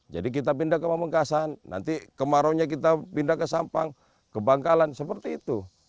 jadi kita pindah ke mamengkasan nanti kemarauannya kita pindah ke sampang ke bangkalan seperti itu